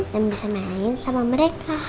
dan bisa main sama mereka